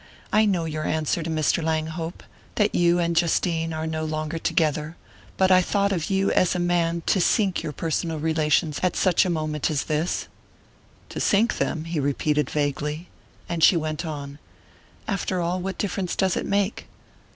I know your answer to Mr. Langhope that you and Justine are no longer together. But I thought of you as a man to sink your personal relations at such a moment as this." "To sink them?" he repeated vaguely: and she went on: "After all, what difference does it make?"